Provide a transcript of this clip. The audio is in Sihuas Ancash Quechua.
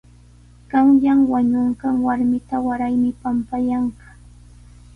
Qanyan wañunqan warmita waraymi pampayanqa.